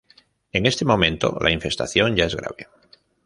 En este momento, la infestación ya es grave.